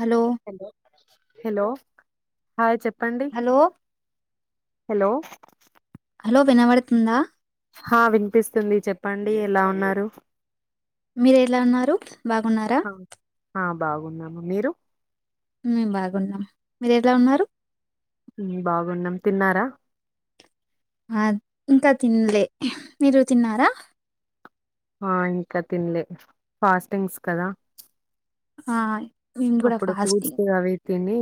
Hello hello hi చెప్ప hello hello లో వినబడుతుందా హ వినిపిస్తుంది చెప్పండి ఎలా ఉన్నారు మీర ఎలా ఉన్నారు బాగున్నారా ఆ ఆ బాగున్నాము మీరు మేము బాగున్నాం మీరు ఎట్లా ఉన్నారు బాగున్నాం తిన్నారా ఆ ఇంకా తిినలే మీరు తిన్నారా ఆ ఇంకా తిన్లె [unintelligible] ఫాస్టింగ్స్ కదా [unintelligible] ఆయి అప్పుడు కూడ్స్త [unintelligible] అవి తిని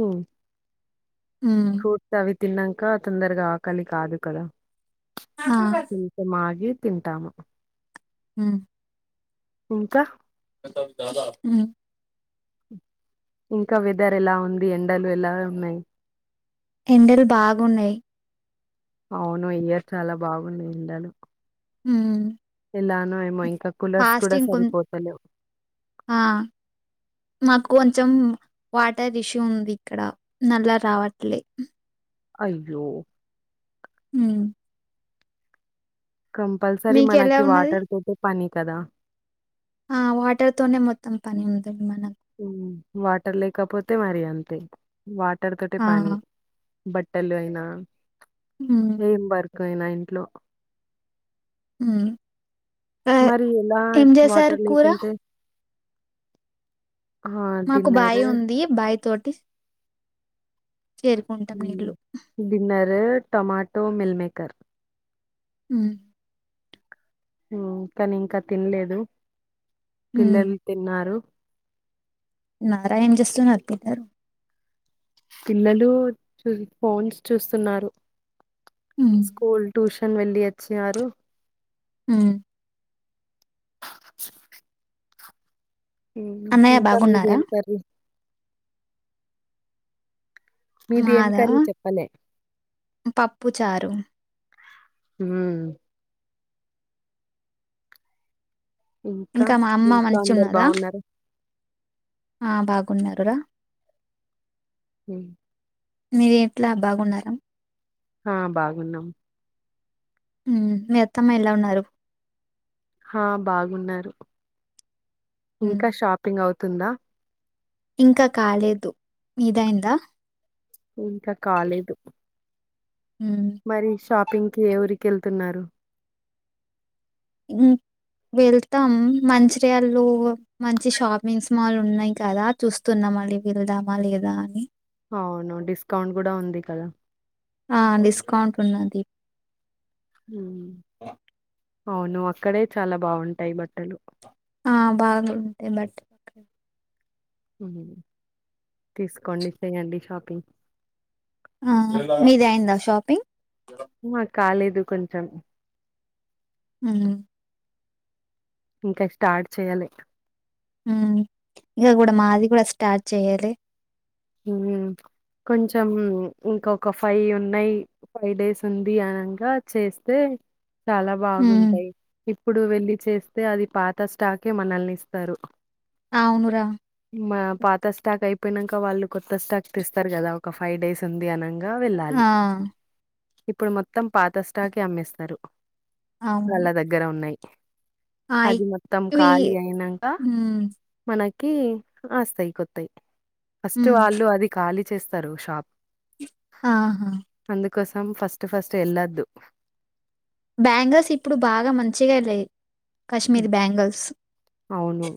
ఉమ్ ఫ్రూట్ అవి తిన్నక తొందరగా ఆకలి కాదు కదా ఆ చింత మాగే తింటాము హ్మ్ ఇంకా మ స జద [inaudible] ఇంకా వెదర్ ఎలా ఉంది ఎండలు ఎలా ఉన్నయి ఎండలు బాగున్నయి అవును ఇయర్ చాలా బాగుంది ఏండలు హ్మ్ ఎలానో ఏమో ఇంకా కులర్స్ కుడ కొం సరిపోతలెవ్ ఆ మాకు [unintelligible] కొంచెం వాటర్ ఇష్యూ ఉంది ఇక్కడ నల్లా రావట్లే అయ్యో హ్మ్ కంపల్సరీ మీకు ఎలా మనకి ఉన్నది వాటర్ తోటి పని కదా. ఆ వాటర్ తోనే మొత్తం పని ఉంది. మన హ్మ్ వాటర్ లేకపోతే మరి అంతే వాటర్ తోటే ఆ పని బట్టలు అయినా ఉమ్ ఏం వర్క్ అయినా ఇంట్లో హ్మ్ మరి ఎలా వాటర్ కూర లేకుంటే. ఆ! మాకు డిన్నర్ బాయి ఉంది బాయి తోటి చేరుకుంటాం నీళ్లు ఉ డిన్నరు టొమాటో, మిల్మేకర్ హ్మ్ కానీ ఇంకా తినలేదు పిల్లలు తిన్నారు. నారా ఏం జెస్తున్నారు పిల్లలు. పిల్లలు చూ ఫోన్స్ చూస్తున్నారు. ఉమ్ స్కూల్ ట్యూషన్ వెళ్లి వచ్చారు. ఉ [inaudible] ఆ అన్నయ్య ఇంకా మీది బాగున్నారా ఏం కర్రీ మీది ఏం మాదా కర్రీ చెప్పలే పప్పు చారు ఊ ఇంకా మా అమ్మ ఇంట్లో మంచి అందరు ఉన్నదా బాగున్నారా? ఆ బాగున్నారు రా ఉ [unintelligible] మీ ఇట్లా బాగున్నారా ఆ బాగున్నాం. హ్మ్ మీ అత్తమ్మ ఎలా ఉన్నారు. హా బాగున్నారు. ఉమ్ ఇంకా షాపింగ్ అవుతుందా. ఇంకా కాలేదు. మీదైందా ఇంకా కాలేదు. ఉమ్ మరి షాపింగ్కి ఏ ఊరికెళ్తున్నారు. [inaudible] వెళ్తాం మంచిర్యాళ్లో మంచి షాపింగ్స్ మాల్ ఉన్నాయి కదా చూస్తున్నాం. మళ్ళీ వెళ్దామా లేదా అని అవును డిస్కౌంట్ గుడా ఉంది కదా. ఆ డిస్కౌంట్ ఉన్నది ఉ అవును అక్కడే చాలా బాగుంటాయి బట్టలు ఆ బాగా ఉంటాయి బట్టలు అక్కడ ఉ తీసుకోండి చేయండి షాపింగ్ ఆ మీది అయిందా షాపింగ్ మా కాలేదు కొంచెం ఊ ఇంకా స్టార్ట్ చేయ్యలే ఉ ఇంగ కూడా మాది కూడా స్టార్ట్ చేయ్యలే ఊ కొంచెం ఇంక ఫైవ్ ఉన్నాయి ఫైవ్ డేస్ ఉంది అనంగా చేస్తే చాలా ఉమ్ బాగుంటాయి ఇప్పుడు వెళ్లి చేస్తే అది పాత స్టాకే మనల్ని ఇస్తారు అవునురా మా పాత స్టాక్ అయిపోయినంక వాళ్ళు కొత్త స్టాక్ తేస్తారు కదా ఒక ఫైవ్ డేస్ ఉంది అనంగా వెళ్ళాలి. ఆ ఇప్పుడు మొత్తం పాత స్టాకే అమ్మేస్తారు. అవును వాళ్ళ దగ్గర ఉన్నావి. ఆ అది మొత్తం ఇవి ఖాళీ అయినంక ఉమ్ మనకి ఆస్తాయి కొత్తావి ఫస్ట్ ఉమ్ వాళ్ళు అది ఖాళీ చేస్తారు షాప్ ఆహా కోసం ఫస్ట్ ఫస్ట్ వెళ్ళొద్దు బ్యాంగర్స్ ఇప్పుడు బాగా మంచిగా లేయ్ అవును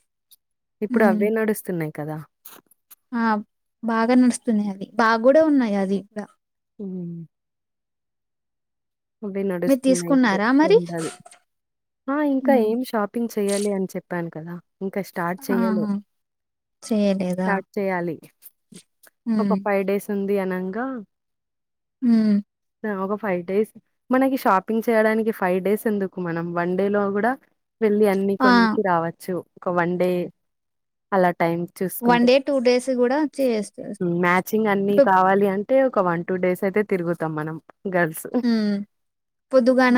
ఇప్పుడు ఉమ్ అవే నడుస్తున్నాయి కదా ఆ బాగా నడుస్తున్నాయి అది బాగా కూడా ఉన్నాయి అది ఇప్పుడ ఉ అవి మీరు నడుస్తున్నాయి ఇప్పుడు తీసుకున్నారా మరి ట్రెండ్ ఆది ఆ ఇంకా ఉమ్ ఏం షాపింగ్ చెయ్యాలే అని చెప్పాను కదా ఇంకా స్టార్ట్ చెయలే ఆహా చేయలేదా స్టార్ట్ చేయాలి ఒక ఉమ్ ఫైవ్ డేస్ ఉంది అనంగా ఉ ఒక ఫైవ్ డేస్ మనకి షాపింగ్ చేయడానికి ఫైవ్ డేస్ ఎందుకు మనం వన్ డే లో కూడా వెళ్ళి అన్ని ఆ కొనేసి రావచ్చు ఒక వన్ డే అలా టైమ్ వన్ చూసుకుంటే డే టూ డేస్ కూడా చేస్తారు మ్యాచింగ్ అన్ని కావాలి అంటే ఒక వన్ టూ డేస్ అయితే తిరుగుతాం మనం గల్ ఊ పొద్దుగాన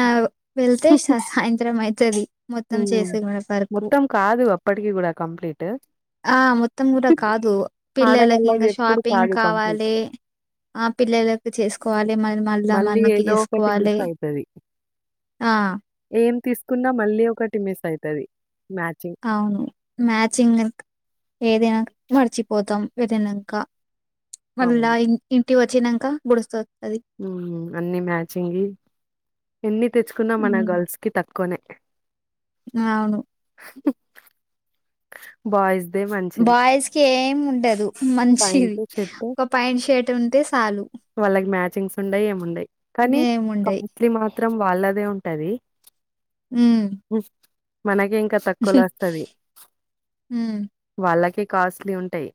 వెళ్తే సాయంత్రం అయతది మొత్తం హ్మ్. చేసే వరకు మొత్తం కాదు అప్పటికి కూడా కంప్లీట్ ఆ మొత్తం కూడా కాదు పిల్లలకి ఆడవాళ్ళది ఇంకా ఎప్పుడు షాపింగ్ కాదు కంప్లీట్. కావాలే ఆ పిల్లలకు చేసుకోవాలి మరి మళ్ళా మళ్ళీ మనకి ఏదో ఒకటి చేసుకోవాలి మిస్ అయతది ఆ ఏం తీసుకున్నా మళ్ళీ ఒకటి మిస్ అయతది అవును మ్యాచింగ్ కనుక ఏదైనా క మర్చిపోతాం వెళ్ళినంక మళ్ళా అవును. ఇంటికి వచ్చినంక గుడుస్త ఉ అన్ని మ్యాచింగ్ ఎన్ని తెచ్చుకున్నా మన గర్ల్స్ కి తక్కువనే అవును బాయ్స్ బాయ్స్ కి ఏం ఉండదు మంచిది ప్యాంటు, షర్టు ఒక ప్యాంట్ షర్ట్ ఉంటే చాలు వాళ్ళకి మ్యాచింగ్స్ ఉండయి ఏమిండయి కానీ ఏముండయి కాస్ట్లీ మాత్రం త్రం వాళ్ళదే ఉంటది ఊ మనకి ఇంకా తక్కువలో వస్తది హ్మ్. వాళ్ళకి కాస్ట్లీ ఉంటాయి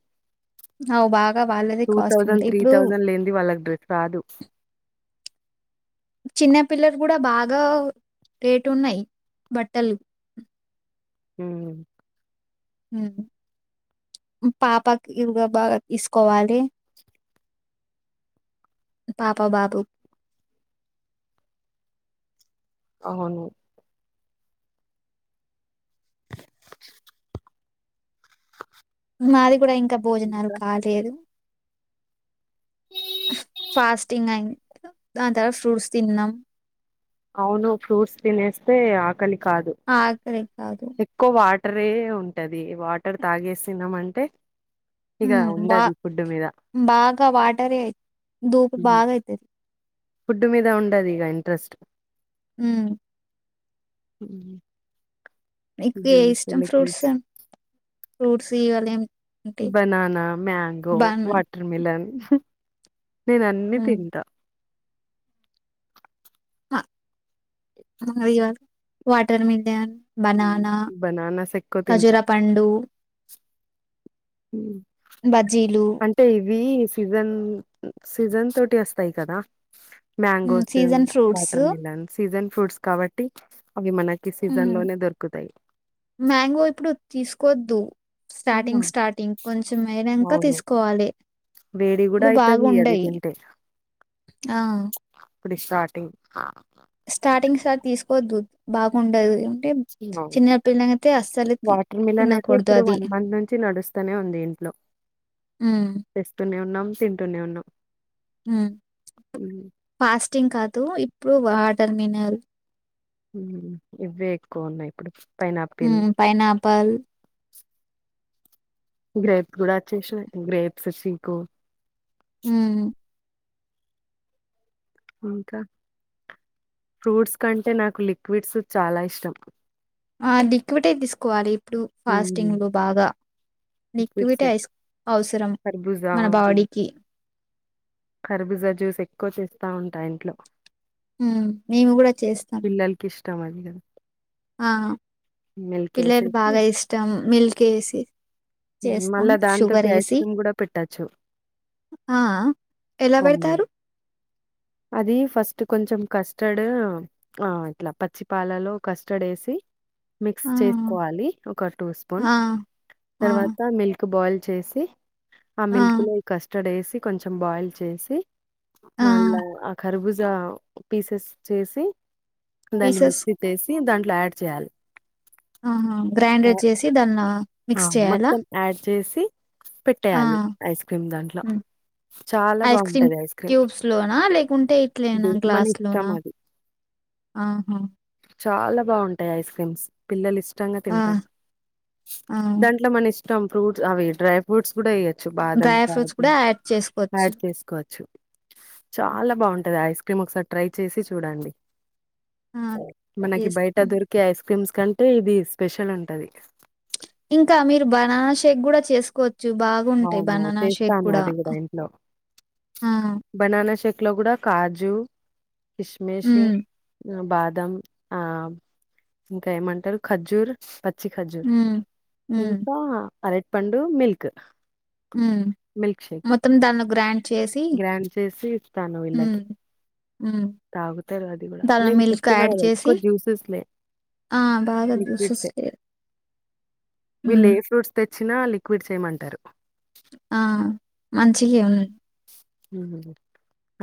ఆవ్ బాగా వాళ్ళది కాస్ట్లీ ఉంటాయి ఇప్పుడు డ్రెప్ కాదు చిన్న పిల్లలు కూడా బాగా రేటు ఉన్నాయి బట్టలు మ్మ్ మ్మ్ పాపకి ఇవిగ బాగా తీసుకోవాలి పాప బాబు అవును మాది కూడా ఇంకా భోజనాలు ఇంకా కాలేదు ఫాస్టింగ్ అయి దాని తర్వాత ఫ్రూట్స్ తిన్నం అవును ఫ్రూట్స్ తినేస్తే ఆకలి కాదు ఆకలి కాదు. ఎక్కువ వాటరే ఉంటది వాటర్ తాగేసిన్నం అంటే ఇక మ్మ్ వా ఉండది ఫుడ్ మీద బాగా వాటరే ధూప బాగయితది ఫుడ్ మీద ఉండదు ఇగ ఇంట్రెస్ట్ మ్మ్ అ మీకు ఏ ఇస్టం ఫ్రూట్స్, ఫ్రూట్స్ ఈవళం బనానా, మ్యాంగో, బనా వాటర్మీలోన్ నేన్ అన్ని హ్మ్. తింటా ఆ అది కాద్ వాటర్మిలన్ బననా బనానాస్ ఎక్కువ తింటా ఖజురపండు బజ్జీలు అంటే ఇవి సీసన్ సీసన్ తోటి వస్తాయి కదా mangoes season fruits water melon season fruits కాబట్టి అవి మన ఈ సీజన్ లోనే దొరుకుతాయి కొద్దు ఆహా, స్టార్టింగ్ స్టార్టింగ్ కొంచెం అయినంక అవును తీసుకోవాలి వేడి కూడా ఇప్పుడు అయితది అది బాగుండయి తింటే ఆ ఇప్పుడి స్టార్టింగ్ ఆ స్టార్టింగ్ స్టార్ట్ తీసుకోద్దు బాగుండదు [unintelligible] చిన్న పిల్లలైతే అస్సలు తి- వాటర్ మిలన్ అయితే తినకూడదు ఇప్పుడు అది వన్ మంత్ నుంచి నడుస్తనే ఉంది ఏంటి ట్లో ఉమ్, తెస్తూనే ఉన్నం తింటూనే ఉన్నం మ్మ్ ఫాస్టింగ్ కాదు ఇప్పుడు వాటర్ మినల్ ఇవ్వే ఎక్కువ ఉన్నాయి కొంచెం మ్మ్ పైనాపిల్ గ్రేప్స్ కూడా వచ్చేసినయ్ గ్రేప్స్ [unintelligible] ఇంకా, ఫ్రూట్స్ కంటే నాకు లిక్విడ్స్ చాలా ఇష్టం ఆ డిక్విటే తీసుకోవాలి ఇప్పుడు ఫాస్టింగ్ లో బాగా లిక్విడ్స్ లిక్విటే ఐస్ అవసరం మన బాడీకి ఖర్బిజా జ్యూస్ ఎక్కువ చేస్తా ఉంటా ఇంట్లో మ్మ్ మేము కూడా చేస్తాం [unintelligible] ఆ మిల్క్ పిల్లది వేసేసి బాగా ఇష్టం మిల్క్ ఏసి చేస్తాం మళ్ళా దాని షుగర్ తటి ఐస్ ఏసి క్రీమ్ కూడా పెట్టోచ్చు ఆ, ఎలా పెడతారు అది ఫస్ట్ కొంచెం కస్టర్డ్ ఆ ఇట్లా పచ్చిపాలలో కస్టర్డ్ ఏసి మిక్స్ ఆ చేసుకోవాలి ఒక టూ స్పూన్, ఆ ఆ తర్వాత మిల్క్ బాయిల్ చేసి, ఆ మిల్క్ లో కస్టర్డ్ వేసి కొంచెం బాయిల్ చేసి ఆ మళ్ళా ఆ కర్భుజ పీసెస్ చేసి దాన్ని పీసెస్ మిక్సీ చేసి దాంట్లో యాడ్ చేయాలి ఆహా ఆ! గ్రైండర్ చేసి దన్నా ఆ మొత్తం యాడ్ చేసి ఆ పెట్టేయాలి ఐస్ క్రీమ్ దాంట్లో హ్మ్ చాలా ఐస్ క్రీమ్ బావుంటది ఐస్ క్రీమ్. క్యూబ్స్ లోనా లేకుంటే ఇది ఇట్లేనా మన గ్లాస్ ఇష్టం లోనా అది. ఆహా చాలా బాగుంటాయి ఐస్ క్రీమ్స్ పిల్లలు ఇష్టంగా ఆ తింటారు ఆ దాంట్లో మనిష ఇష్టం ఫ్రూట్స్ అవి డ్రై ఫ్రూట్స్ కూడా వేయ్యొచ్చు బాదం డ్రై ఫ్రూట్స్ కాజు కూడా యాడ్ చేసుకోవచ్చు యాడ్ చేసుకోవచ్చు చాలా బాగుంటది ఐస్ క్రీమ్ ఒకసారి ట్రై చేసి చూడండి ఆ మనకి బయట చేస్తాం దొరికే ఐస్ క్రీమ్స్ కంటే ఇది స్పెషల్ ఉంటది ఇంకా మీరు బనానా షేక్ కూడా చేసుకోవ చ్చు బాగుంటాయి అవును బనానా షేక్ చేస్తాను కూడా అది ఇంట్లో ఆ ఇట్లో కూడా కాజు కిస్మిస్ హ్మ్. బాదం ఆ ఇంకా ఏమంటారు ఖర్జూర్ చ్చి ఖర్జూర్ హ్మ్. హ్మ్. ఇంకా అరటి పండు మిల్క్ ఉ మిల్క్ షేక్ మొత్తం దాన్ని గ్రాండ్ గ్రాండ్ చేసి ఇత్తను హ్మ్. విళ్ళకి హ్మ్. తాగుతారు అది కూడా దానిలో నేను మిల్క్ చెప్తున్నా యాడ్ కదా చేసి ఎక్కువ జ్యూసెస్లే ఆ బాగా లిక్విడ్సే జుషస్లే వీళ్ళు ఏ ఫ్రూట్స్ తెచ్చినా లిక్విడ్స్ చేయమంటారు ఆ మంచిగే ఉన్ ఊ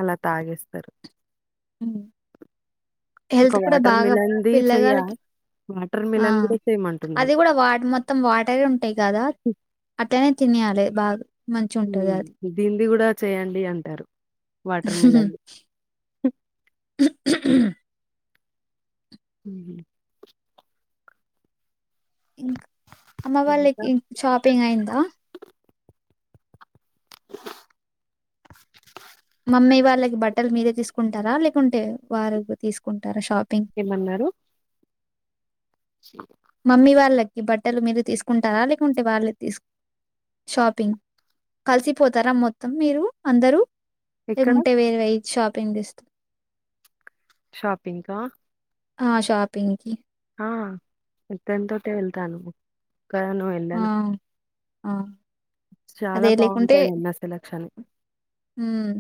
అలా తాగేస్తారు ఉ ఒక హెల్త్ కూడా వాటర్ బాగా మిలన్‌ది చెయ్య పిల్లగాల్లకి వాటర్ ఆ మిలన్ గూడా చేయమంటున్నారు. అది కూడా వా మొత్తం వాటరే ఉంటాయి కదా అట్లనే తినయాలి బాగా మంచి ఉంటుంది హ్మ్. అది దీనిది గూడా చేయండి అంటారు వాటర్ మిలన్‌ది. [unintelligible] [inaudible] హు ఇంకా అమ్మ ఇంకా వాళ్ళకి షాపింగ్ అయిందా [unintelligible] [inaudible] మమ్మీ వాళ్ళకి బట్టలు మీరే తీసుకుంటారా లేకుంటే వారు తీసుకుంటారా షాప్ ఏమన్నారు [unintelligible] [inaudible] మమ్మీ వాళ్ళకి బట్టలు మీరు తీసుకుంటారా లేకుంటే వాళ్ళు తీసు షాపింగ్ కలిసిపోతారా మొత్తం మీరు అందరూ ఎక్కడ? లేకుంటే వేరు వెయి షాపింగ్ చేస్తు షాపింగ్ కా ఆ షాపింగ్కి ఆ ఇద్దన్ తోటే వెళ్తాను ఒక్కదాన్నే ఆ! వెళ్ళాను ఆ చాలా అదే బాగుంటాయి అన్న సెలక్షన్ ఉమ్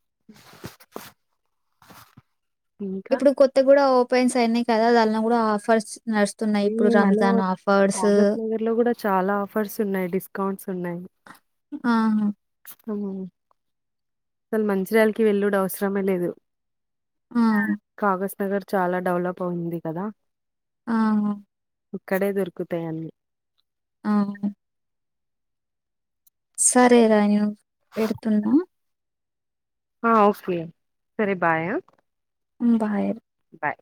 [unintelligible] [inaudible] ఇంకా ఇప్పుడు కొత్త కూడా ఓపెన్స్ అయినాయి కదా దాన్లో కూడా ఆఫర్స్ నడుస్తున్నాయి. ఊ ఇప్పుడు మన రంజాన్ ఆఫర్స్ కాసజ్ నగర్ లో కూడా చాలా ఆఫర్స్ ఉన్నాయి డిస్కౌంట్స్ ఉన్నాయి. ఆ అవునా అసలు మంచిర్యాల వెళ్ళడు అవసరమే లేదు ఆ! కాసజ్ నగర్ చాలా డెవలప్ అయింది కదా ఆఆ ఇక్కడే దొరుకుతాయి అన్నీ ఆవ్ సరే రా నేను పెడుతున్నా ఆ ఓకే సరే బాయ బాయ బాయ్